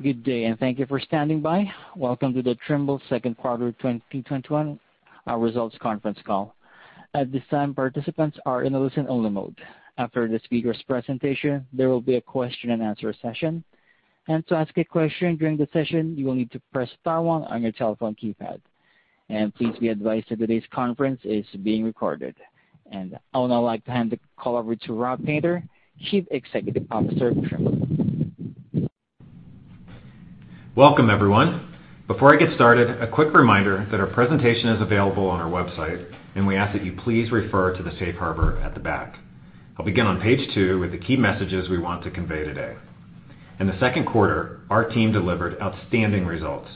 Good day. Thank you for standing by. Welcome to the Trimble second quarter 2021 results conference call. At this time, participants are in a listen-only mode. After the speaker's presentation, there will be a question-and-answer session. And to ask a question during the session, you will need to press star one on your telephone keypad. And please be advised that today's conference is being recorded. I would now like to hand the call over to Rob Painter, Chief Executive Officer of Trimble. Welcome, everyone. Before I get started, a quick reminder that our presentation is available on our website, and we ask that you please refer to the safe harbor at the back. I'll begin on page two with the key messages we want to convey today. In the second quarter, our team delivered outstanding results.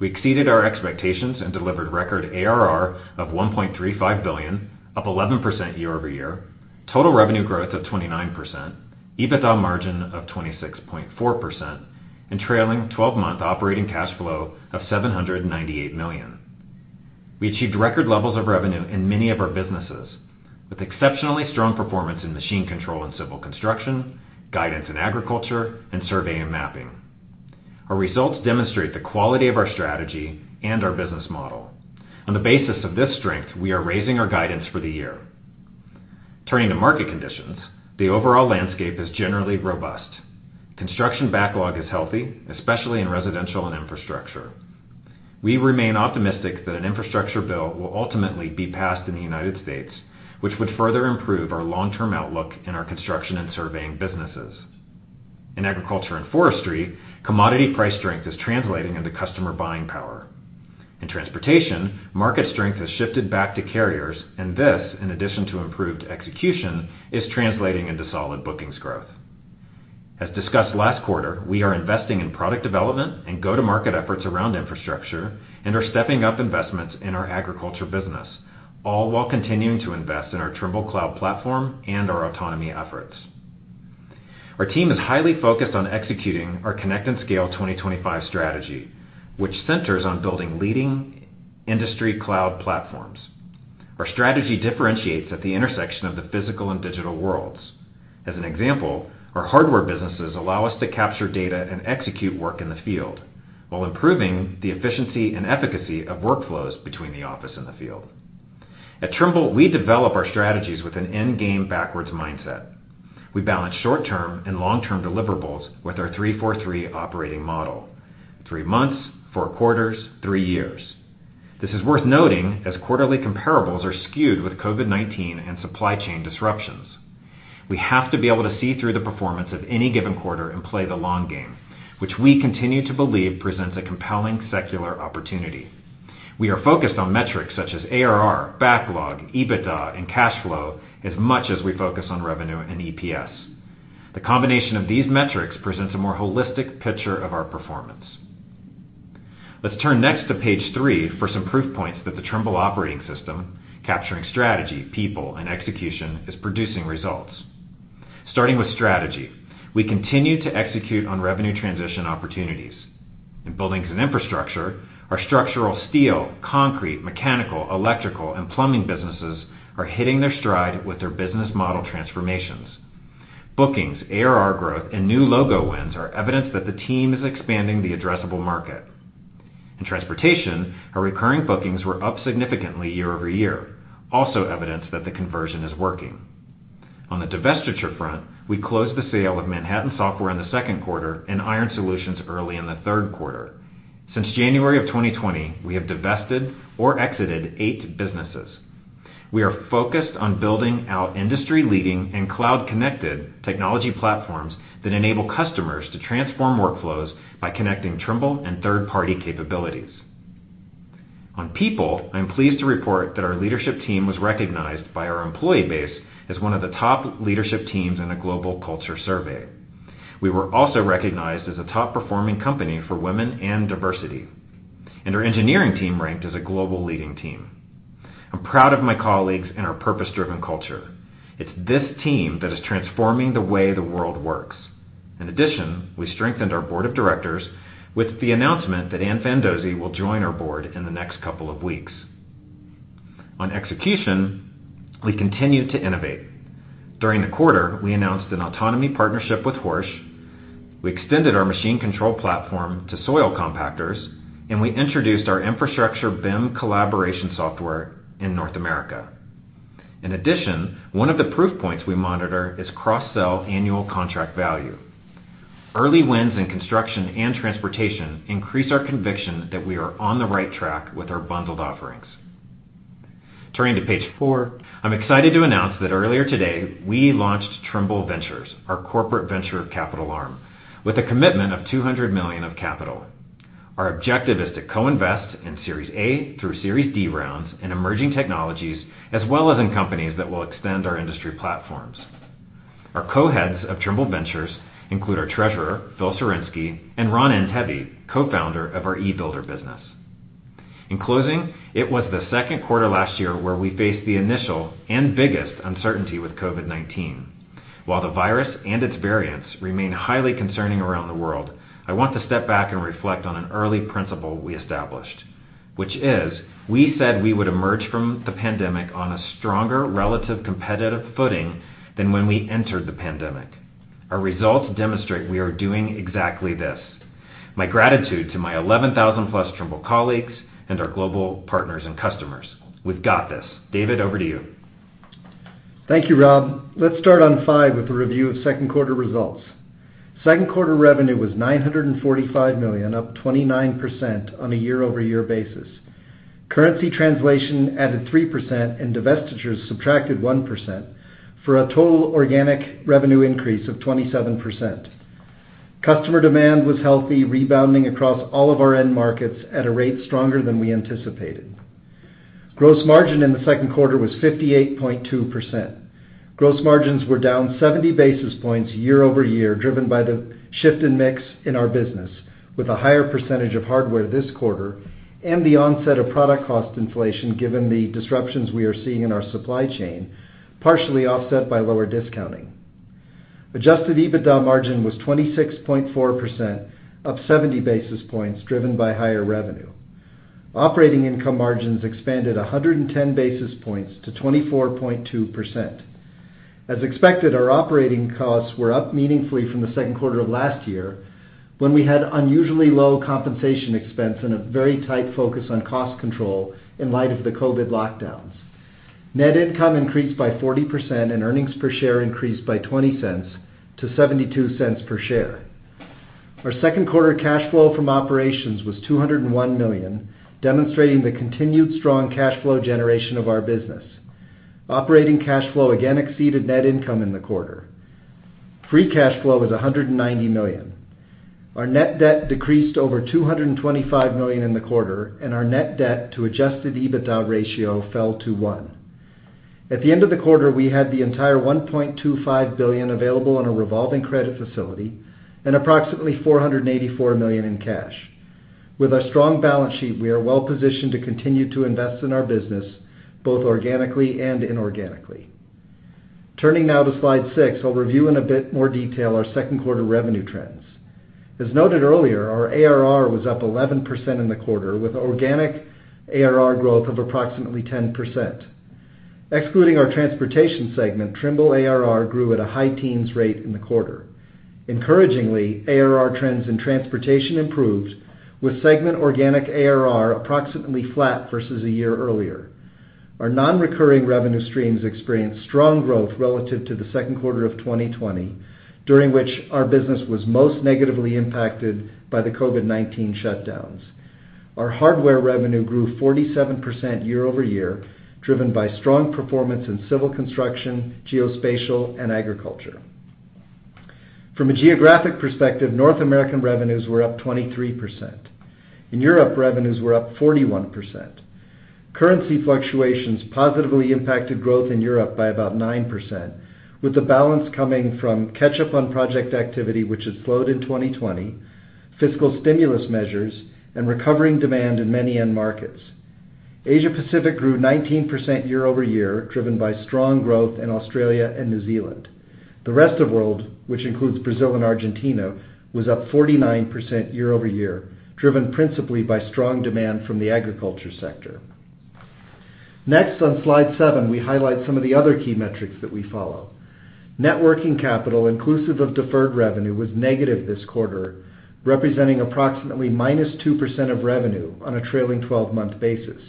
We exceeded our expectations and delivered record ARR of $1.35 billion, up 11% year-over-year, total revenue growth of 29%, EBITDA margin of 26.4%, and trailing 12-month operating cash flow of $798 million. We achieved record levels of revenue in many of our businesses, with exceptionally strong performance in machine control and civil construction, guidance in agriculture, and survey and mapping. Our results demonstrate the quality of our strategy and our business model. On the basis of this strength, we are raising our guidance for the year. Turning to market conditions, the overall landscape is generally robust. Construction backlog is healthy, especially in residential and infrastructure. We remain optimistic that an infrastructure bill will ultimately be passed in the U.S., which would further improve our long-term outlook in our construction and surveying businesses. In agriculture and forestry, commodity price strength is translating into customer buying power. In transportation, market strength has shifted back to carriers, and this, in addition to improved execution, is translating into solid bookings growth. As discussed last quarter, we are investing in product development and go-to-market efforts around infrastructure and are stepping up investments in our agriculture business, all while continuing to invest in our Trimble cloud platform and our autonomy efforts. Our team is highly focused on executing our Connect and Scale 2025 strategy, which centers on building leading industry cloud platforms. Our strategy differentiates at the intersection of the physical and digital worlds. As an example, our hardware businesses allow us to capture data and execute work in the field while improving the efficiency and efficacy of workflows between the office and the field. At Trimble, we develop our strategies with an end-game backwards mindset. We balance short-term and long-term deliverables with our 3-4-3 operating model, three months, four quarters, three years. This is worth noting, as quarterly comparables are skewed with COVID-19 and supply chain disruptions. We have to be able to see through the performance of any given quarter and play the long game, which we continue to believe presents a compelling secular opportunity. We are focused on metrics such as ARR, backlog, EBITDA, and cash flow as much as we focus on revenue and EPS. The combination of these metrics presents a more holistic picture of our performance. Let's turn next to page three for some proof points that the Trimble operating system, capturing strategy, people, and execution, is producing results. Starting with strategy, we continue to execute on revenue transition opportunities. In Buildings and Infrastructure, our structural steel, concrete, mechanical, electrical, and plumbing businesses are hitting their stride with their business model transformations. Bookings, ARR growth, and new logo wins are evidence that the team is expanding the addressable market. In transportation, our recurring bookings were up significantly year-over-year, also evidence that the conversion is working. On the divestiture front, we closed the sale of Manhattan Software in the second quarter and Iron Solutions early in the third quarter. Since January of 2020, we have divested or exited eight businesses. We are focused on building out industry-leading and cloud-connected technology platforms that enable customers to transform workflows by connecting Trimble and third-party capabilities. On people, I'm pleased to report that our leadership team was recognized by our employee base as one of the top leadership teams in a global culture survey. We were also recognized as a top-performing company for women and diversity, and our engineering team ranked as a global leading team. I'm proud of my colleagues and our purpose-driven culture. It's this team that is transforming the way the world works. We strengthened our board of directors with the announcement that Ann Fandozzi will join our board in the next couple of weeks. On execution, we continue to innovate. During the quarter, we announced an autonomy partnership with Horsch, we extended our machine control platform to soil compactors, and we introduced our infrastructure BIM collaboration software in North America. One of the proof points we monitor is cross-sell annual contract value. Early wins in construction and transportation increase our conviction that we are on the right track with our bundled offerings. Turning to page four, I am excited to announce that earlier today, we launched Trimble Ventures, our corporate venture capital arm, with a commitment of $200 million of capital. Our objective is to co-invest in Series A through Series D rounds in emerging technologies, as well as in companies that will extend our industry platforms. Our co-heads of Trimble Ventures include our treasurer, Phil Sawarynski, and Ron Antebi, co-founder of our e-Builder business. In closing, it was the second quarter last year where we faced the initial and biggest uncertainty with COVID-19. While the virus and its variants remain highly concerning around the world, I want to step back and reflect on an early principle we established, which is, we said we would emerge from the pandemic on a stronger relative competitive footing than when we entered the pandemic. Our results demonstrate we are doing exactly this. My gratitude to my 11,000+ Trimble colleagues and our global partners and customers. We've got this. David, over to you. Thank you, Rob. Let's start on five with a review of second quarter results. Second quarter revenue was $945 million, up 29% on a year-over-year basis. Currency translation added 3%, and divestitures subtracted 1%, for a total organic revenue increase of 27%. Customer demand was healthy, rebounding across all of our end markets at a rate stronger than we anticipated. Gross margin in the second quarter was 58.2%. Gross margins were down 70 basis points year-over-year, driven by the shift in mix in our business, with a higher percentage of hardware this quarter and the onset of product cost inflation given the disruptions we are seeing in our supply chain, partially offset by lower discounting. Adjusted EBITDA margin was 26.4%, up 70 basis points, driven by higher revenue. Operating income margins expanded 110 basis points to 24.2%. As expected, our operating costs were up meaningfully from the second quarter of last year, when we had unusually low compensation expense and a very tight focus on cost control in light of the COVID lockdowns. Net income increased by 40%, and earnings per share increased by $0.20 to $0.72 per share. Our second quarter cash flow from operations was $201 million, demonstrating the continued strong cash flow generation of our business. Operating cash flow again exceeded net income in the quarter. Free cash flow was $190 million. Our net debt decreased over $225 million in the quarter, and our net debt to adjusted EBITDA ratio fell to one. At the end of the quarter, we had the entire $1.25 billion available on a revolving credit facility and approximately $484 million in cash. With a strong balance sheet, we are well-positioned to continue to invest in our business, both organically and inorganically. Turning now to slide six, I'll review in a bit more detail our second quarter revenue trends. As noted earlier, our ARR was up 11% in the quarter, with organic ARR growth of approximately 10%. Excluding our transportation segment, Trimble ARR grew at a high teens rate in the quarter. Encouragingly, ARR trends in transportation improved with segment organic ARR approximately flat versus a year earlier. Our non-recurring revenue streams experienced strong growth relative to the second quarter of 2020, during which our business was most negatively impacted by the COVID-19 shutdowns. Our hardware revenue grew 47% year-over-year, driven by strong performance in civil construction, geospatial, and agriculture. From a geographic perspective, North American revenues were up 23%. In Europe, revenues were up 41%. Currency fluctuations positively impacted growth in Europe by about 9%, with the balance coming from catch-up on project activity which had slowed in 2020, fiscal stimulus measures, and recovering demand in many end markets. Asia Pacific grew 19% year-over-year, driven by strong growth in Australia and New Zealand. The rest of world, which includes Brazil and Argentina, was up 49% year-over-year, driven principally by strong demand from the agriculture sector. Next on slide seven, we highlight some of the other key metrics that we follow. Net working capital, inclusive of deferred revenue, was negative this quarter, representing approximately -2% of revenue on a trailing 12-month basis.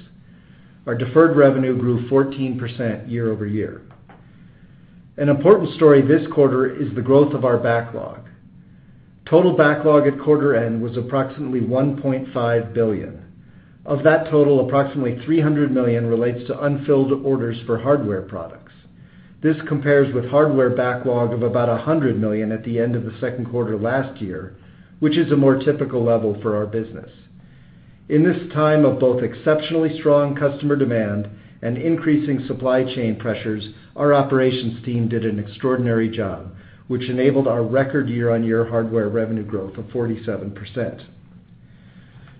Our deferred revenue grew 14% year-over-year. An important story this quarter is the growth of our backlog. Total backlog at quarter end was approximately $1.5 billion. Of that total, approximately $300 million relates to unfilled orders for hardware products. This compares with hardware backlog of about $100 million at the end of the second quarter last year, which is a more typical level for our business. In this time of both exceptionally strong customer demand and increasing supply chain pressures, our operations team did an extraordinary job, which enabled our record year-on-year hardware revenue growth of 47%.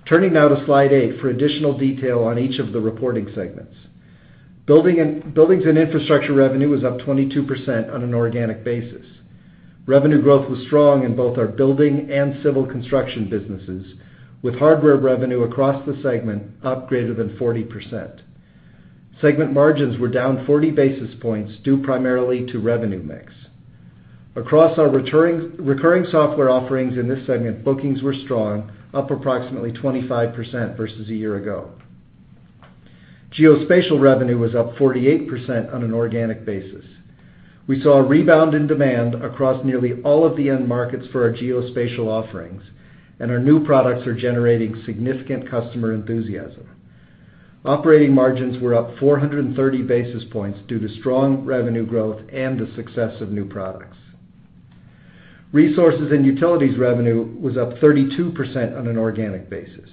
Turning now to slide eight for additional detail on each of the reporting segments. Buildings and Infrastructure revenue was up 22% on an organic basis. Revenue growth was strong in both our building and civil construction businesses, with hardware revenue across the segment up greater than 40%. Segment margins were down 40 basis points, due primarily to revenue mix. Across our recurring software offerings in this segment, bookings were strong, up approximately 25% versus a year ago. Geospatial revenue was up 48% on an organic basis. We saw a rebound in demand across nearly all of the end markets for our geospatial offerings, and our new products are generating significant customer enthusiasm. Operating margins were up 430 basis points due to strong revenue growth and the success of new products. Resources and Utilities revenue was up 32% on an organic basis.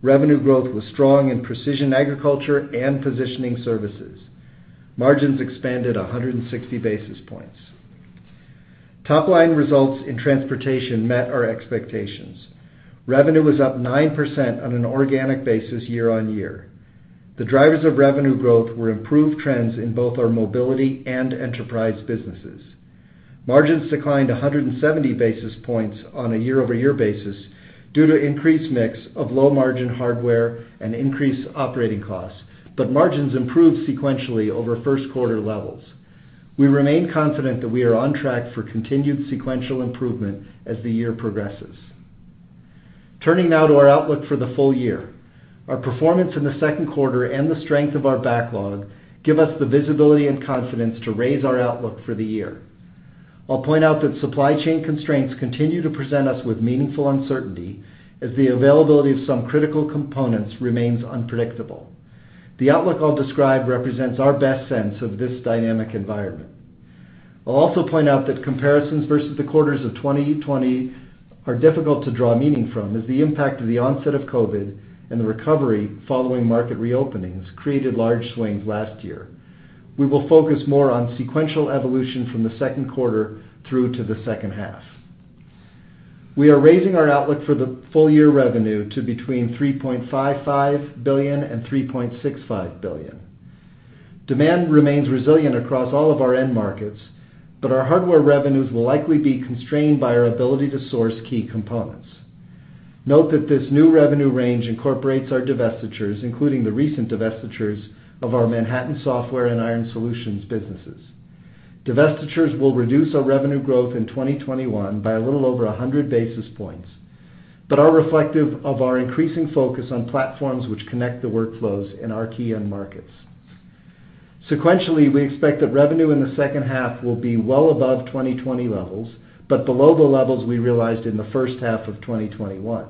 Revenue growth was strong in precision agriculture and positioning services. Margins expanded 160 basis points. Top-line results in transportation met our expectations. Revenue was up 9% on an organic basis year-on-year. The drivers of revenue growth were improved trends in both our mobility and enterprise businesses. Margins declined 170 basis points on a year-over-year basis due to increased mix of low-margin hardware and increased operating costs, but margins improved sequentially over first quarter levels. We remain confident that we are on track for continued sequential improvement as the year progresses. Turning now to our outlook for the full year. Our performance in the second quarter and the strength of our backlog give us the visibility and confidence to raise our outlook for the year. I'll point out that supply chain constraints continue to present us with meaningful uncertainty as the availability of some critical components remains unpredictable. The outlook I'll describe represents our best sense of this dynamic environment. I'll also point out that comparisons versus the quarters of 2020 are difficult to draw meaning from, as the impact of the onset of COVID and the recovery following market re-openings created large swings last year. We will focus more on sequential evolution from the second quarter through to the second half. We are raising our outlook for the full year revenue to between $3.55 billion and $3.65 billion. Demand remains resilient across all of our end markets, our hardware revenues will likely be constrained by our ability to source key components. Note that this new revenue range incorporates our divestitures, including the recent divestitures of our Manhattan Software and Iron Solutions businesses. Divestitures will reduce our revenue growth in 2021 by a little over 100 basis points, but are reflective of our increasing focus on platforms which connect the workflows in our key end markets. Sequentially, we expect that revenue in the second half will be well above 2020 levels, but below the levels we realized in the first half of 2021.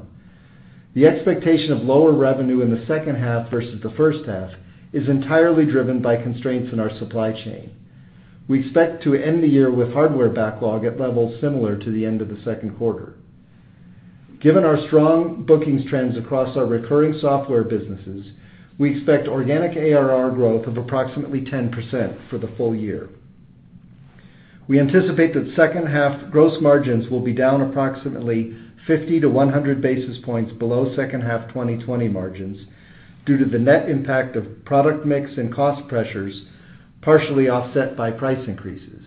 The expectation of lower revenue in the second half versus the first half is entirely driven by constraints in our supply chain. We expect to end the year with hardware backlog at levels similar to the end of the second quarter. Given our strong bookings trends across our recurring software businesses, we expect organic ARR growth of approximately 10% for the full year. We anticipate that second half gross margins will be down approximately 50-100 basis points below second half 2020 margins due to the net impact of product mix and cost pressures, partially offset by price increases.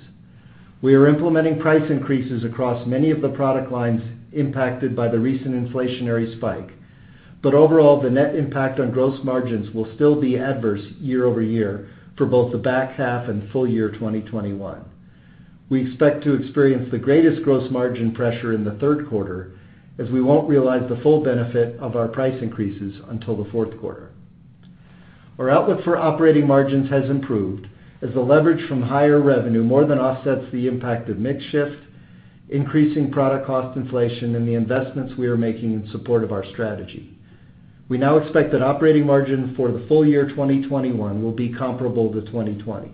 We are implementing price increases across many of the product lines impacted by the recent inflationary spike. Overall, the net impact on gross margins will still be adverse year-over-year for both the back half and full year 2021. We expect to experience the greatest gross margin pressure in the third quarter as we won't realize the full benefit of our price increases until the fourth quarter. Our outlook for operating margins has improved as the leverage from higher revenue more than offsets the impact of mix shift, increasing product cost inflation, and the investments we are making in support of our strategy. We now expect that operating margin for the full year 2021 will be comparable to 2020.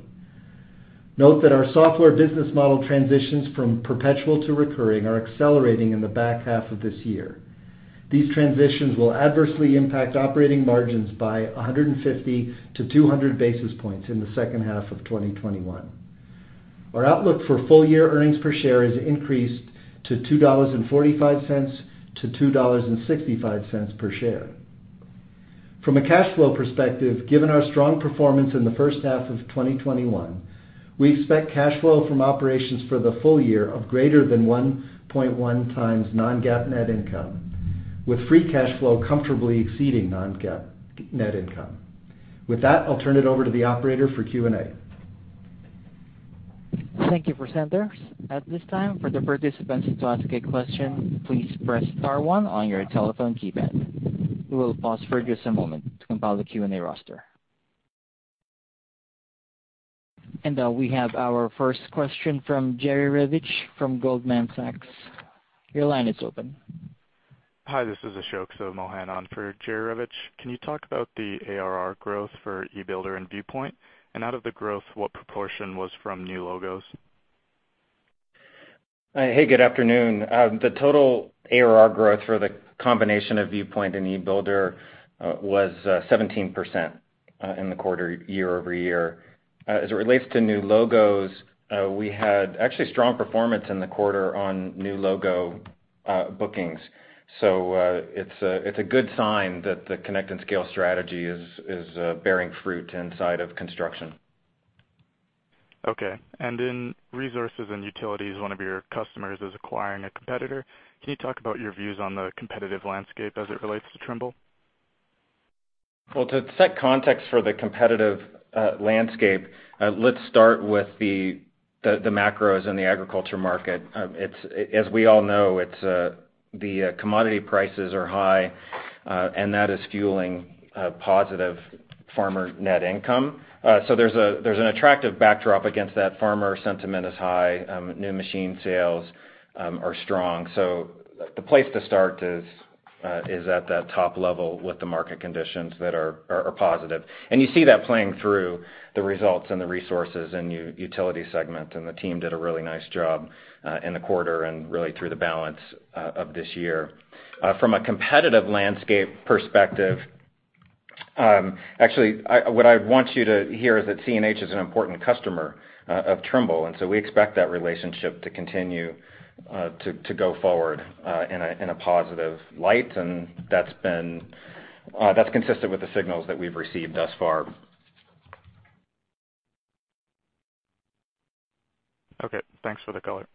Note that our software business model transitions from perpetual to recurring are accelerating in the back half of this year. These transitions will adversely impact operating margins by 150 to 200 basis points in the second half of 2021. Our outlook for full-year earnings per share has increased to $2.45-$2.65 per share. From a cash flow perspective, given our strong performance in the first half of 2021, we expect cash flow from operations for the full year of greater than 1.1x non-GAAP net income, with free cash flow comfortably exceeding non-GAAP net income. With that, I'll turn it over to the operator for Q&A. Thank you, presenters. At this time, for the participants to ask a question, please press star one on your telephone keypad. We will pause for just a moment to compile the Q&A roster. We have our first question from Jerry Revich from Goldman Sachs. Your line is open. Hi, this is Ashok Sivamohan on for Jerry Revich. Can you talk about the ARR growth for e-Builder and Viewpoint? Out of the growth, what proportion was from new logos? Hey, good afternoon. The total ARR growth for the combination of Viewpoint and e-Builder was 17% in the quarter, year-over-year. As it relates to new logos, we had actually strong performance in the quarter on new logo bookings. It's a good sign that the Connect and Scale strategy is bearing fruit inside of construction. Okay. In Resources and Utilities, one of your customers is acquiring a competitor. Can you talk about your views on the competitive landscape as it relates to Trimble? Well, to set context for the competitive landscape, let's start with the macros in the agriculture market. As we all know, the commodity prices are high, and that is fueling positive farmer net income. There's an attractive backdrop against that. Farmer sentiment is high. New machine sales are strong. The place to start is at that top level with the market conditions that are positive. You see that playing through the results and the Resources and Utility segment, and the team did a really nice job in the quarter and really through the balance of this year. From a competitive landscape perspective, actually, what I want you to hear is that CNH is an important customer of Trimble, we expect that relationship to continue to go forward in a positive light. That's consistent with the signals that we've received thus far. Okay. Thanks for the color.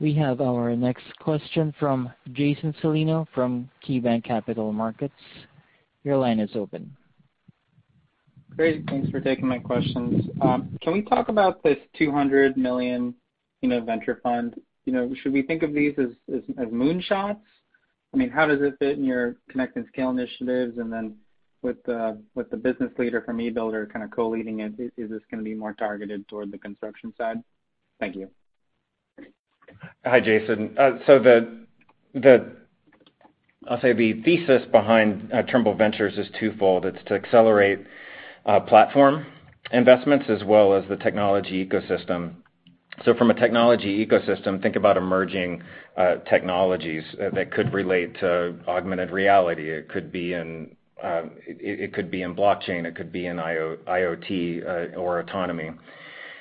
We have our next question from Jason Celino from KeyBanc Capital Markets. Your line is open. Great. Thanks for taking my questions. Can we talk about this $200 million venture fund? Should we think of these as moonshots? How does it fit in your Connect & Scale 2025 initiatives? Then with the business leader from e-Builder kind of co-leading it, is this going to be more targeted toward the construction side? Thank you. Hi, Jason. I'll say the thesis behind Trimble Ventures is twofold. It's to accelerate platform investments as well as the technology ecosystem. From a technology ecosystem, think about emerging technologies that could relate to augmented reality. It could be in blockchain, it could be in IoT or autonomy.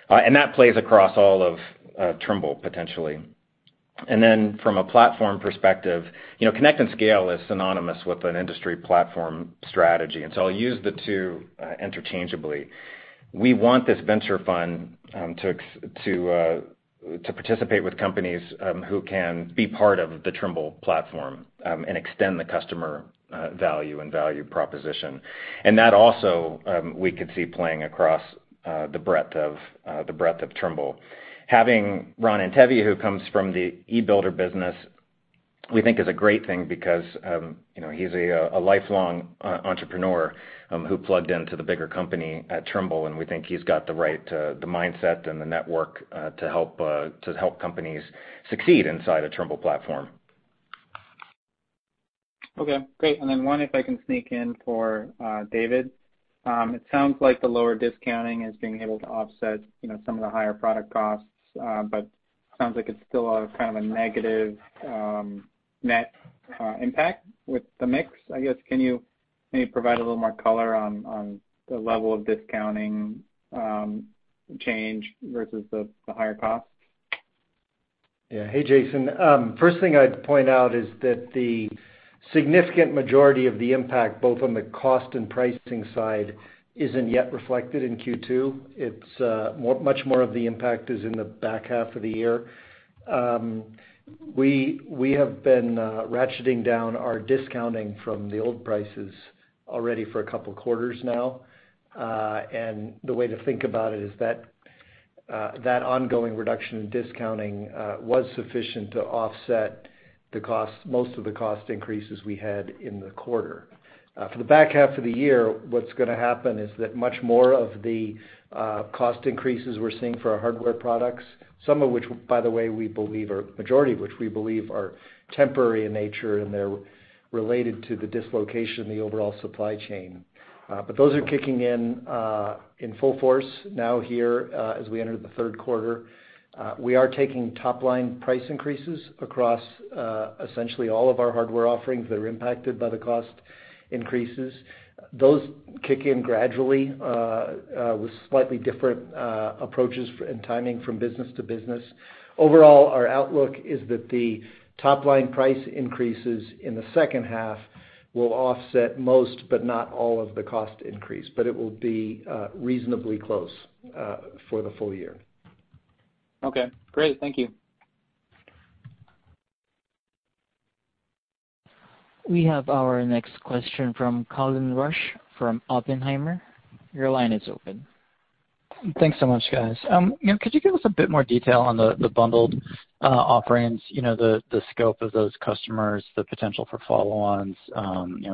That plays across all of Trimble, potentially. From a platform perspective, Connect & Scale is synonymous with an industry platform strategy. I'll use the two interchangeably. We want this venture fund to participate with companies who can be part of the Trimble platform and extend the customer value and value proposition. That also, we could see playing across the breadth of Trimble. Having Ron Antebi, who comes from the e-Builder business, we think is a great thing because he's a lifelong entrepreneur who plugged into the bigger company at Trimble. We think he's got the right mindset and the network to help companies succeed inside a Trimble platform. Okay, great. One, if I can sneak in for David. It sounds like the lower discounting is being able to offset some of the higher product costs, but sounds like it's still a kind of negative net impact with the mix, I guess. Can you maybe provide a little more color on the level of discounting change versus the higher cost? Yeah. Hey, Jason. First thing I'd point out is that the significant majority of the impact, both on the cost and pricing side, isn't yet reflected in Q2. Much more of the impact is in the back half of the year. We have been ratcheting down our discounting from the old prices already for a couple of quarters now. The way to think about it is that ongoing reduction in discounting was sufficient to offset most of the cost increases we had in the quarter. For the back half of the year, what's going to happen is that much more of the cost increases we're seeing for our hardware products, some of which, by the way, we believe, or majority of which we believe are temporary in nature, and they're related to the dislocation in the overall supply chain. Those are kicking in in full force now here, as we enter the third quarter. We are taking top-line price increases across essentially all of our hardware offerings that are impacted by the cost increases. Those kick in gradually with slightly different approaches and timing from business to business. Overall, our outlook is that the top-line price increases in the second half will offset most, but not all of the cost increase, but it will be reasonably close for the full year. Okay, great. Thank you. We have our next question from Colin Rusch, from Oppenheimer. Your line is open. Thanks so much, guys. Could you give us a bit more detail on the bundled offerings, the scope of those customers, the potential for follow-ons,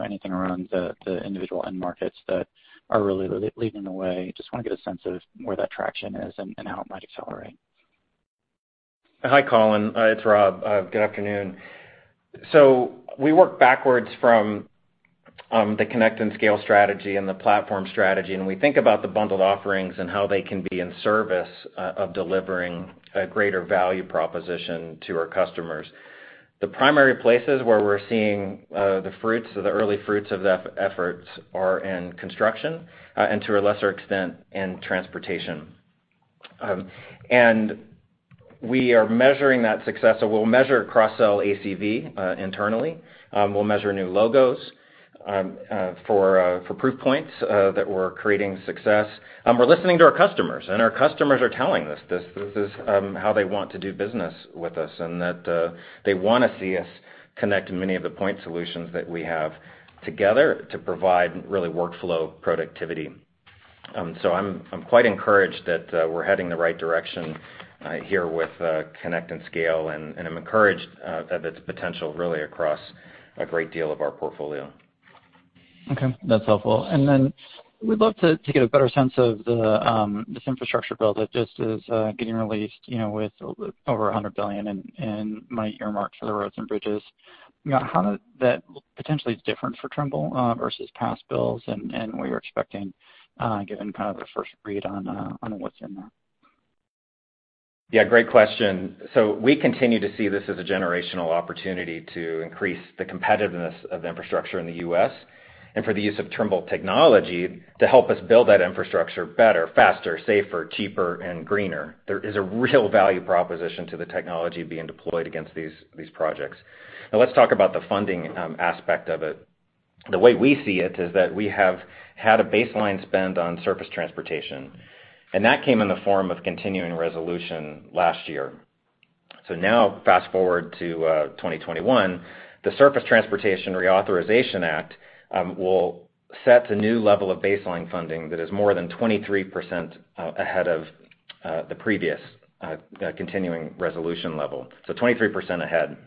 anything around the individual end markets that are really leading the way? Just want to get a sense of where that traction is and how it might accelerate. Hi, Colin. It's Rob. Good afternoon. We work backwards from the Connect & Scale strategy and the platform strategy, and we think about the bundled offerings and how they can be in service of delivering a greater value proposition to our customers. The primary places where we're seeing the fruits, the early fruits of the efforts are in construction and to a lesser extent in transportation. We are measuring that success, so we'll measure cross-sell ACV internally. We'll measure new logos for proof points that we're creating success. We're listening to our customers, and our customers are telling us this is how they want to do business with us, and that they want to see us connect many of the point solutions that we have together to provide, really, workflow productivity. I'm quite encouraged that we're heading the right direction here with Connect & Scale, and I'm encouraged at its potential really across a great deal of our portfolio. Okay, that's helpful. We'd love to get a better sense of this Infrastructure Bill that just is getting released with over $100 billion and might earmark for the roads and bridges. How that potentially is different for Trimble versus past bills, and what you're expecting, given kind of the first read on what's in there. Yeah, great question. We continue to see this as a generational opportunity to increase the competitiveness of infrastructure in the U.S. And for the use of Trimble technology to help us build that infrastructure better, faster, safer, cheaper, and greener. There is a real value proposition to the technology being deployed against these projects. Now let's talk about the funding aspect of it. The way we see it is that we have had a baseline spend on surface transportation, and that came in the form of continuing resolution last year. Now fast-forward to 2021, the Surface Transportation Reauthorization Act of 2021 will set the new level of baseline funding that is more than 23% ahead of the previous continuing resolution level. 23% ahead.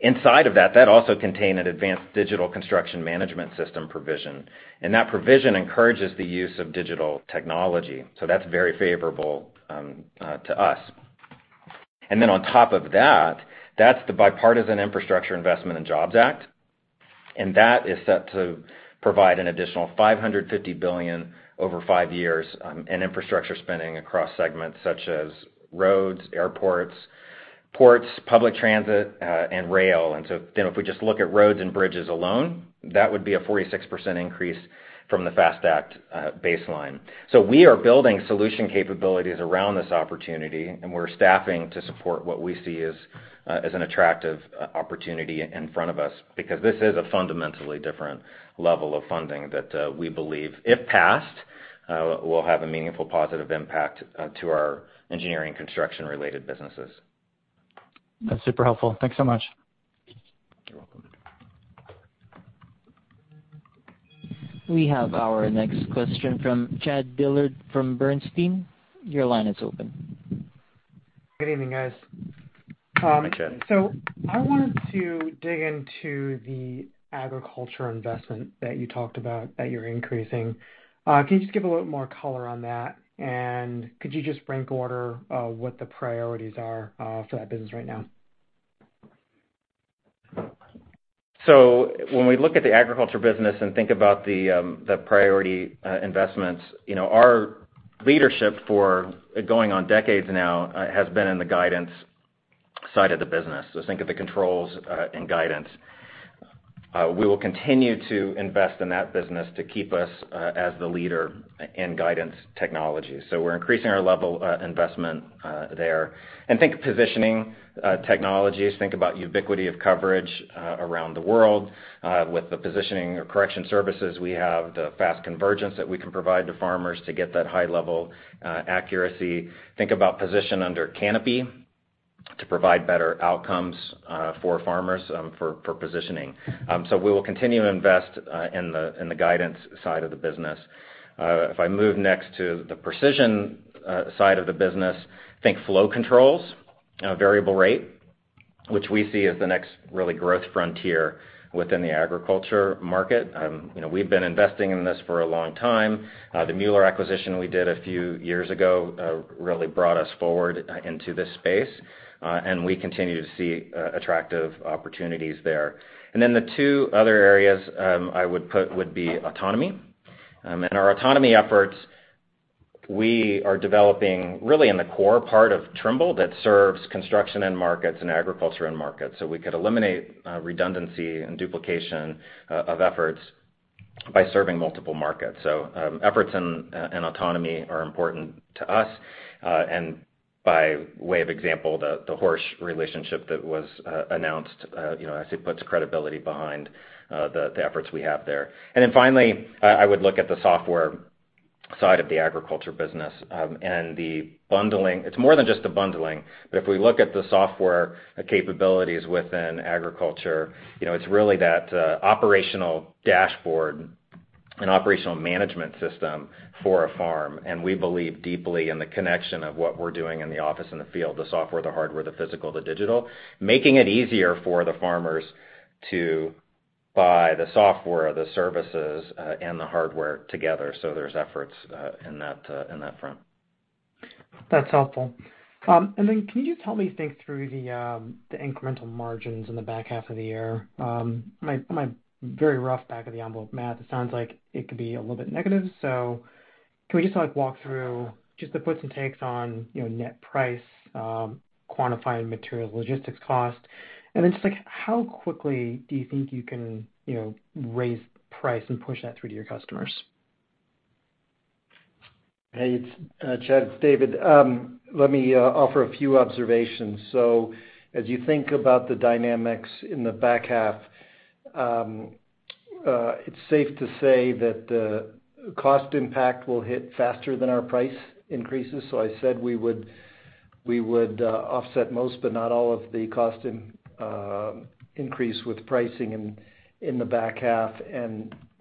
Inside of that also contained an Advanced Digital Construction Management Systems provision, and that provision encourages the use of digital technology. That's very favorable to us. Then on top of that's the Bipartisan Infrastructure Investment and Jobs Act, and that is set to provide an additional $550 billion over five years in infrastructure spending across segments such as roads, airports, ports, public transit, and rail. If we just look at roads and bridges alone, that would be a 46% increase from the FAST Act baseline. We are building solution capabilities around this opportunity, and we're staffing to support what we see as an attractive opportunity in front of us because this is a fundamentally different level of funding that we believe, if passed, will have a meaningful positive impact to our engineering and construction-related businesses. That's super helpful. Thanks so much. We have our next question from Chad Dillard from Bernstein. Your line is open. Good evening, guys. Hi, Chad. I wanted to dig into the agriculture investment that you talked about that you're increasing. Can you just give a little more color on that, and could you just rank order what the priorities are for that business right now? When we look at the agriculture business and think about the priority investments, our leadership for going on decades now has been in the guidance side of the business. Think of the controls and guidance. We will continue to invest in that business to keep us as the leader in guidance technology. We're increasing our level of investment there. Think of positioning technologies. Think about ubiquity of coverage around the world with the positioning or correction services we have, the fast convergence that we can provide to farmers to get that high-level accuracy. Think about position under canopy to provide better outcomes for farmers for positioning. We will continue to invest in the guidance side of the business. If I move next to the precision side of the business, think flow controls, variable rate, which we see as the next really growth frontier within the agriculture market. We've been investing in this for a long time. The Müller-Elektronik acquisition we did a few years ago really brought us forward into this space, and we continue to see attractive opportunities there. The two other areas I would put would be autonomy. In our autonomy efforts, we are developing really in the core part of Trimble that serves construction end markets and agriculture end markets. We could eliminate redundancy and duplication of efforts by serving multiple markets. Efforts in autonomy are important to us. By way of example, the Horsch relationship that was announced, I'd say, puts credibility behind the efforts we have there. Finally, I would look at the software side of the agriculture business and the bundling. It's more than just the bundling. If we look at the software capabilities within agriculture, it's really that operational dashboard and operational management system for a farm. We believe deeply in the connection of what we're doing in the office and the field, the software, the hardware, the physical, the digital, making it easier for the farmers to buy the software, the services, and the hardware together. There's efforts in that front. That's helpful. Can you help me think through the incremental margins in the back half of the year? My very rough back of the envelope math, it sounds like it could be a little bit negative. Can we just walk through just the puts and takes on net price, quantifying material logistics cost, and then just how quickly do you think you can raise price and push that through to your customers? Hey, Chad, it's David. Let me offer a few observations. As you think about the dynamics in the back half, it's safe to say that the cost impact will hit faster than our price increases. I said we would offset most, but not all of the cost increase with pricing in the back half.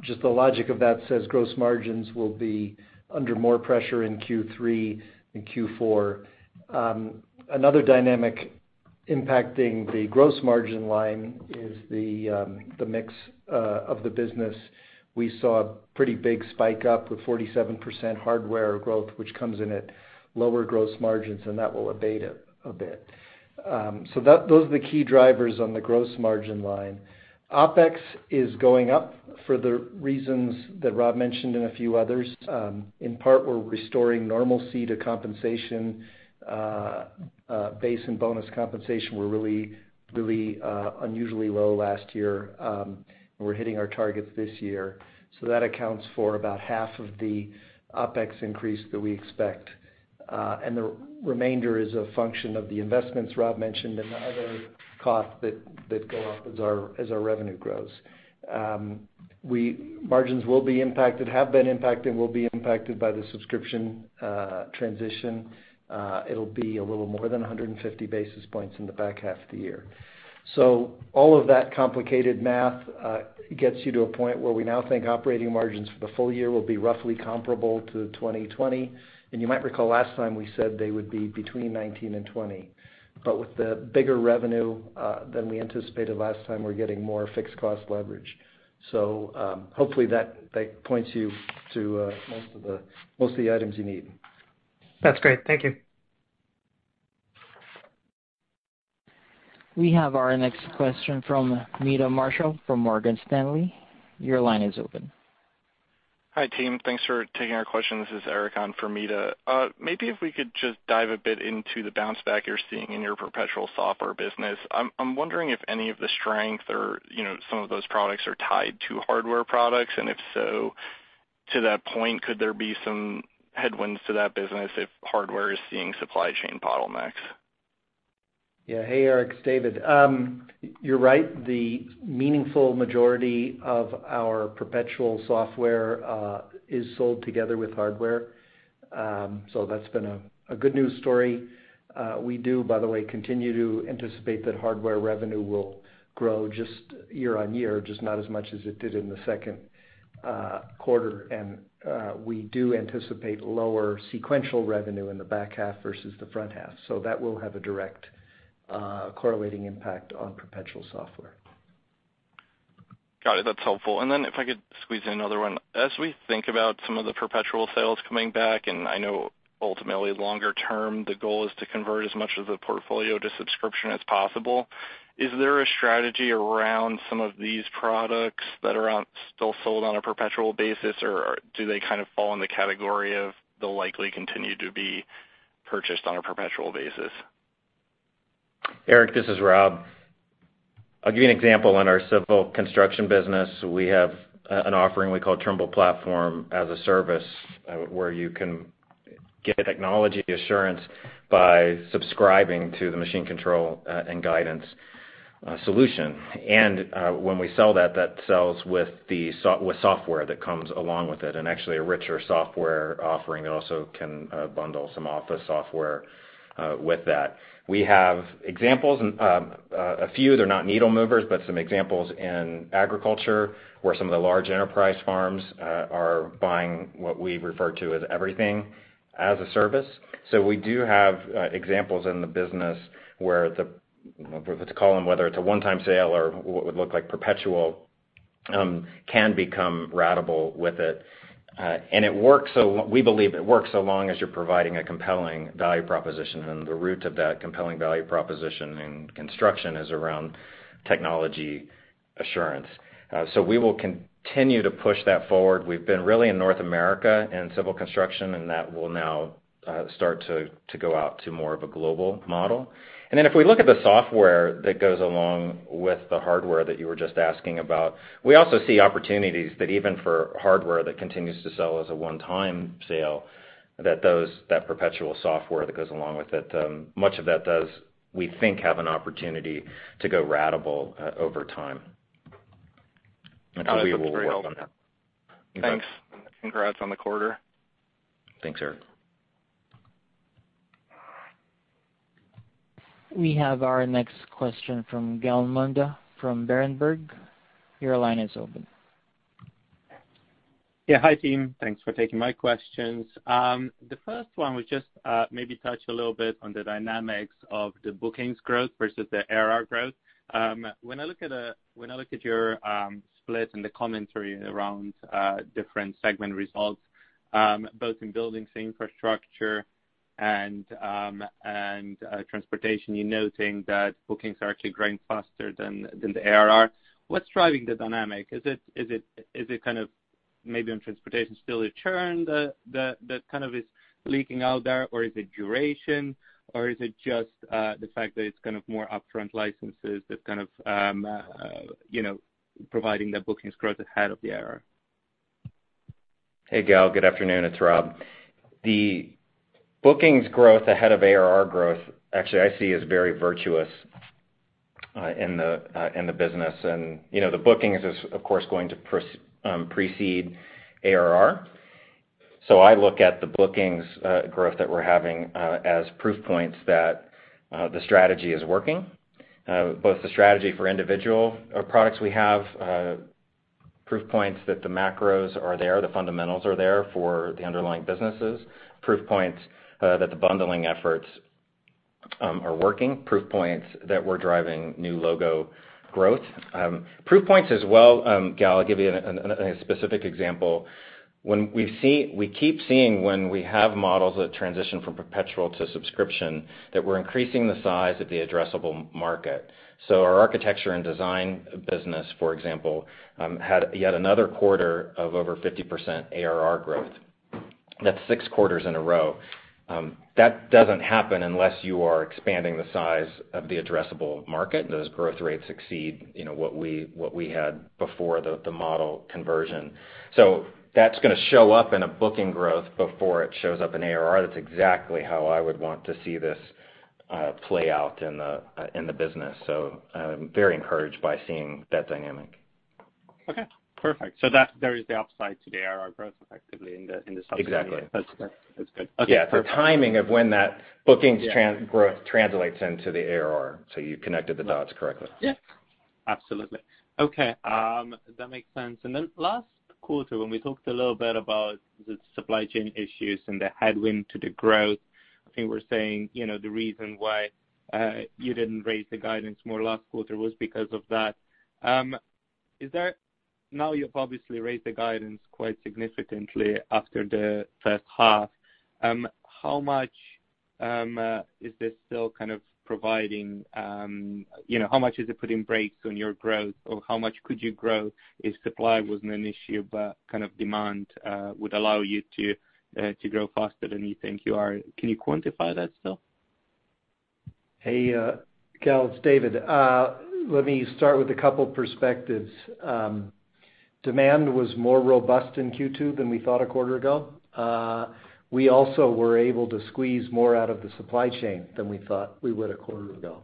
Just the logic of that says gross margins will be under more pressure in Q3 and Q4. Another dynamic impacting the gross margin line is the mix of the business. We saw a pretty big spike up with 47% hardware growth, which comes in at lower gross margins, and that will abate a bit. Those are the key drivers on the gross margin line. OpEx is going up for the reasons that Rob mentioned and a few others. In part, we're restoring normalcy to compensation. Base and bonus compensation were really unusually low last year. We are hitting our targets this year. That accounts for about half of the OPEX increase that we expect. The remainder is a function of the investments Rob mentioned and the other costs that go up as our revenue grows. Margins will be impacted, have been impacted, and will be impacted by the subscription transition. It will be a little more than 150 basis points in the back half of the year. All of that complicated math gets you to a point where we now think operating margins for the full year will be roughly comparable to 2020. You might recall last time we said they would be between 19% and 20%. With the bigger revenue than we anticipated last time, we are getting more fixed cost leverage. Hopefully that points you to most of the items you need. That's great. Thank you. We have our next question from Meta Marshall from Morgan Stanley. Your line is open. Hi, team. Thanks for taking our question. This is Erik on for Meta Marshall. Maybe if we could just dive a bit into the bounce back you're seeing in your perpetual software business. I'm wondering if any of the strength or some of those products are tied to hardware products, and if so, to that point, could there be some headwinds to that business if hardware is seeing supply chain bottlenecks? Yeah. Hey, Erik, it's David. You're right. The meaningful majority of our perpetual software, is sold together with hardware. That's been a good news story. We do, by the way, continue to anticipate that hardware revenue will grow just year-on-year, just not as much as it did in the second quarter. We do anticipate lower sequential revenue in the back half versus the front half. That will have a direct correlating impact on perpetual software. Got it. That's helpful. If I could squeeze in another one. As we think about some of the perpetual sales coming back, and I know ultimately longer term, the goal is to convert as much of the portfolio to subscription as possible. Is there a strategy around some of these products that are still sold on a perpetual basis, or do they kind of fall in the category of they'll likely continue to be purchased on a perpetual basis? Erik, this is Rob. I'll give you an example. In our civil construction business, we have an offering we call Trimble Platform as a Service, where you can get technology assurance by subscribing to the machine control and guidance solution. When we sell that sells with software that comes along with it, and actually a richer software offering that also can bundle some office software with that. We have examples, a few, they're not needle movers, but some examples in agriculture, where some of the large enterprise farms are buying what we refer to as everything as a service. We do have examples in the business where the, whether to call them, whether it's a one-time sale or what would look like perpetual, can become ratable with it. We believe it works so long as you're providing a compelling value proposition, and the root of that compelling value proposition in construction is around technology assurance. We will continue to push that forward. We've been really in North America in civil construction, and that will now start to go out to more of a global model. Then if we look at the software that goes along with the hardware that you were just asking about, we also see opportunities that even for hardware that continues to sell as a one-time sale, that perpetual software that goes along with it, much of that does, we think, have an opportunity to go ratable over time. We will work on that. Got it. That's very helpful. You bet. Thanks, and congrats on the quarter. Thanks, Erik. We have our next question from Gal Munda from Berenberg. Your line is open. Yeah. Hi, team. Thanks for taking my questions. The first one was just maybe touch a little bit on the dynamics of the bookings growth versus the ARR growth. When I look at your split and the commentary around different segment results, both in buildings, infrastructure, and transportation, you're noting that bookings are actually growing faster than the ARR. What's driving the dynamic? Is it kind of maybe on transportation still a churn that kind of is leaking out there, or is it duration, or is it just the fact that it's kind of more upfront licenses that's kind of providing the bookings growth ahead of the ARR? Hey, Gal, good afternoon. It's Rob. The bookings growth ahead of ARR growth actually I see as very virtuous in the business. The bookings is, of course, going to precede ARR. I look at the bookings growth that we're having as proof points that the strategy is working, both the strategy for individual products we have, proof points that the macros are there, the fundamentals are there for the underlying businesses, proof points that the bundling efforts are working, proof points that we're driving new logo growth. Proof points as well, Gal, I'll give you a specific example. We keep seeing when we have models that transition from perpetual to subscription, that we're increasing the size of the addressable market. Our architecture and design business, for example, had yet another quarter of over 50% ARR growth. That's six quarters in a row. That doesn't happen unless you are expanding the size of the addressable market, and those growth rates exceed what we had before the model conversion. That's going to show up in a booking growth before it shows up in ARR. That's exactly how I would want to see this play out in the business. I'm very encouraged by seeing that dynamic. Okay, perfect. There is the upside to the ARR growth effectively in the subsequent years. Exactly. That's good. Okay, perfect. Yeah, the timing of when that bookings growth translates into the ARR. You connected the dots correctly. Yeah. Absolutely. Okay. That makes sense. Then last quarter, when we talked a little bit about the supply chain issues and the headwind to the growth, I think we're saying, the reason why you didn't raise the guidance more last quarter was because of that. Now you've obviously raised the guidance quite significantly after the first half. How much is it putting breaks on your growth, or how much could you grow if supply wasn't an issue, but demand would allow you to grow faster than you think you are? Can you quantify that still? Hey, Gal, it's David. Let me start with a couple perspectives. Demand was more robust in Q2 than we thought a quarter ago. We also were able to squeeze more out of the supply chain than we thought we would a quarter ago.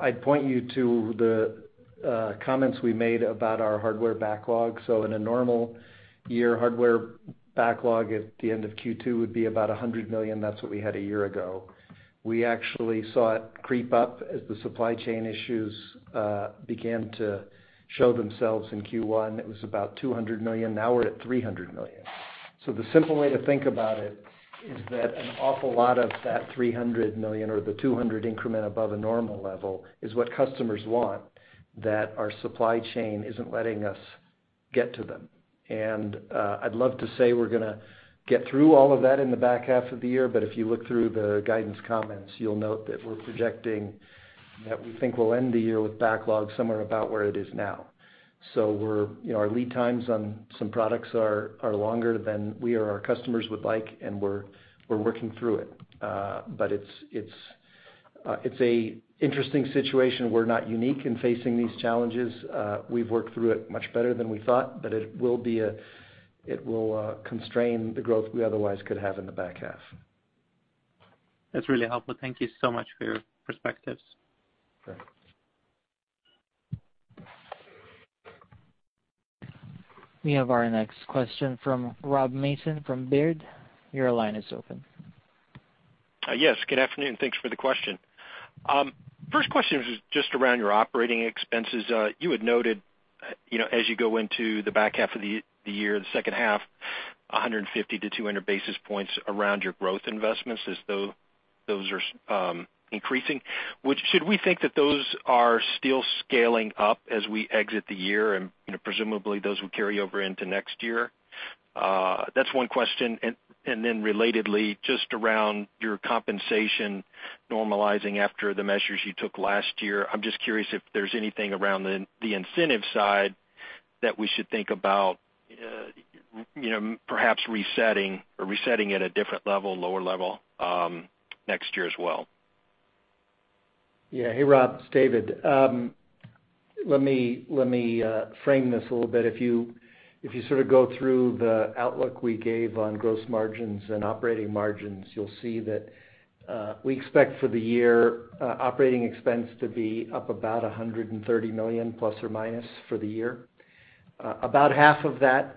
I'd point you to the comments we made about our hardware backlog. In a normal year, hardware backlog at the end of Q2 would be about $100 million. That's what we had a year ago. We actually saw it creep up as the supply chain issues began to show themselves in Q1. It was about $200 million. Now we're at $300 million. The simple way to think about it is that an awful lot of that $300 million or the $200 increment above a normal level is what customers want that our supply chain isn't letting us get to them. I'd love to say we're going to get through all of that in the back half of the year. If you look through the guidance comments, you'll note that we're projecting that we think we'll end the year with backlog somewhere about where it is now. Our lead times on some products are longer than we or our customers would like, and we're working through it. It's a interesting situation. We're not unique in facing these challenges. We've worked through it much better than we thought. It will constrain the growth we otherwise could have in the back half. That's really helpful. Thank you so much for your perspectives. Sure. We have our next question from Rob Mason from Baird. Yes, good afternoon. Thanks for the question. First question is just around your operating expenses. You had noted, as you go into the back half of the year, the second half, 150-200 basis points around your growth investments as those are increasing. Should we think that those are still scaling up as we exit the year and presumably those will carry over into next year? That's one question. Then relatedly, just around your compensation normalizing after the measures you took last year. I'm just curious if there's anything around the incentive side that we should think about perhaps resetting or resetting at a different level, lower level, next year as well. Yeah. Hey, Rob, it's David. Let me frame this a little bit. If you go through the outlook we gave on gross margins and operating margins, you'll see that we expect for the year operating expense to be up about $130 million plus or minus for the year. About half of that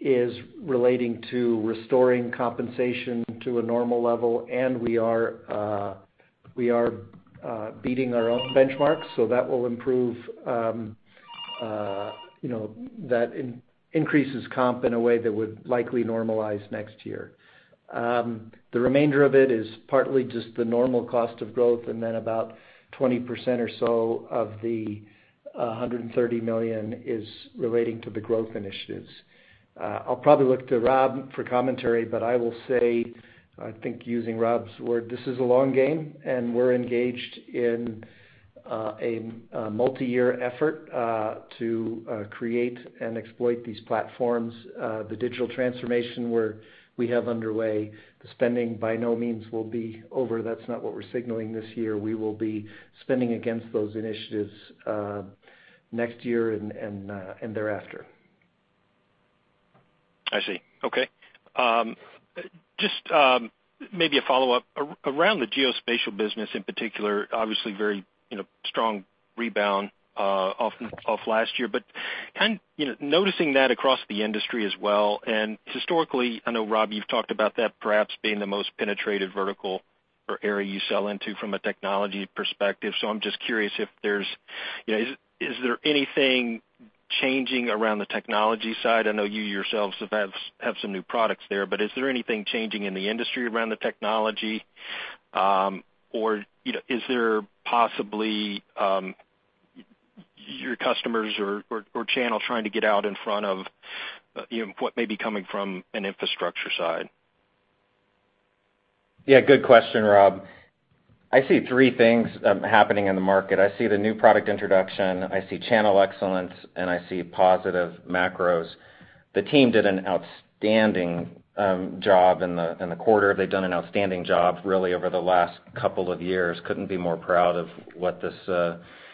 is relating to restoring compensation to a normal level, and we are beating our own benchmarks, so that will improve, that increases comp in a way that would likely normalize next year. The remainder of it is partly just the normal cost of growth, and then about 20% or so of the $130 million is relating to the growth initiatives. I'll probably look to Rob for commentary, but I will say, I think using Rob's word, this is a long game, and we're engaged in a multi-year effort to create and exploit these platforms. The digital transformation where we have underway, the spending by no means will be over. That's not what we're signaling this year. We will be spending against those initiatives next year and thereafter. I see. Okay. Just maybe a follow-up. Around the geospatial business in particular, obviously very strong rebound off last year, but noticing that across the industry as well, and historically, I know, Rob, you've talked about that perhaps being the most penetrated vertical or area you sell into from a technology perspective. I'm just curious if there's anything changing around the technology side? I know you yourselves have had some new products there, but is there anything changing in the industry around the technology? Or is there possibly your customers or channel trying to get out in front of what may be coming from an infrastructure side? Yeah, good question, Rob. I see three things happening in the market. I see the new product introduction, I see channel excellence, and I see positive macros. The team did an outstanding job in the quarter. They've done an outstanding job really over the last couple of years. Couldn't be more proud of what this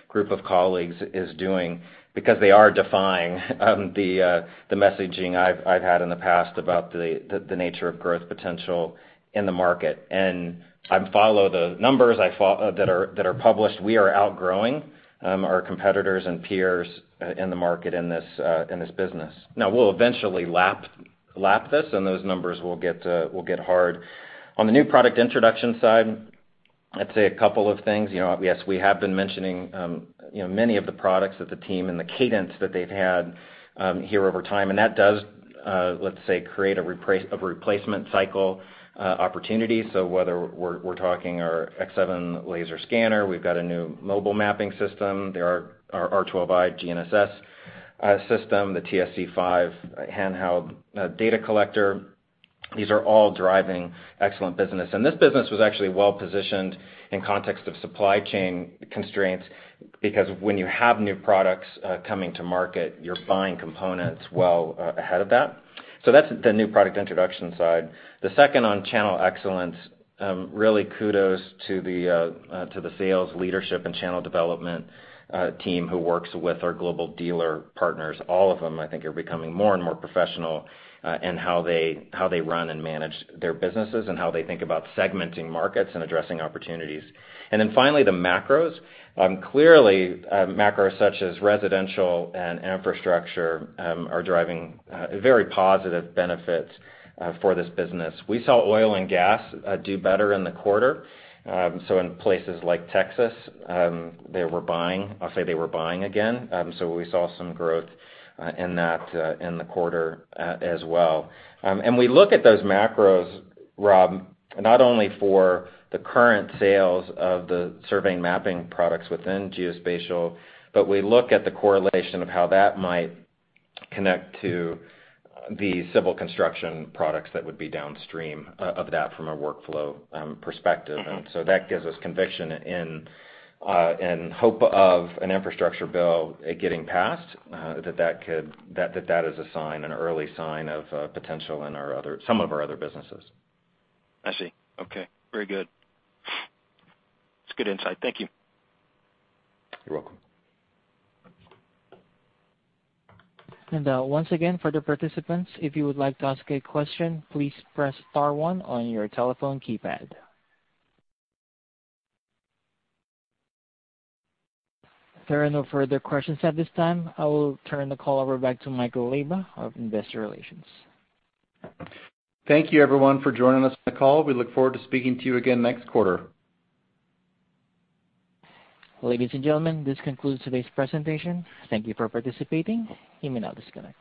group of colleagues is doing because they are defying the messaging I've had in the past about the nature of growth potential in the market. I follow the numbers that are published. We are outgrowing our competitors and peers in the market in this business. We'll eventually lap this, and those numbers will get hard. On the new product introduction side, I'd say a couple of things. Yes, we have been mentioning many of the products of the team and the cadence that they've had here over time, and that does, let's say, create a replacement cycle opportunity. Whether we're talking our X7 laser scanner, we've got a new mobile mapping system. There are our R12i GNSS system, the TSC5 handheld data collector. These are all driving excellent business. This business was actually well-positioned in context of supply chain constraints, because when you have new products coming to market, you're buying components well ahead of that. That's the new product introduction side. The second on channel excellence, really kudos to the sales leadership and channel development team who works with our global dealer partners. All of them, I think, are becoming more and more professional in how they run and manage their businesses, and how they think about segmenting markets and addressing opportunities. Finally, the macros. Clearly, macros such as residential and infrastructure are driving very positive benefits for this business. We saw oil and gas do better in the quarter. In places like Texas, they were buying. I'll say they were buying again. We saw some growth in the quarter as well. We look at those macros, Rob, not only for the current sales of the surveying mapping products within geospatial, but we look at the correlation of how that might connect to the civil construction products that would be downstream of that from a workflow perspective. That gives us conviction and hope of an infrastructure bill getting passed, that is a sign, an early sign of potential in some of our other businesses. I see. Okay, very good. It's good insight. Thank you. You're welcome. Once again, for the participants, if you would like to ask a question, please press star one on your telephone keypad. If there are no further questions at this time, I will turn the call over back to Michael Leyba of Investor Relations. Thank you everyone for joining us on the call. We look forward to speaking to you again next quarter. Ladies and gentlemen, this concludes today's presentation. Thank you for participating. You may now disconnect.